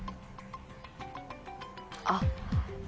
あっ。